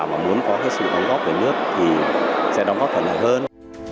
mà muốn có cái sự đóng góp về nước thì sẽ đóng góp thuận lợi hơn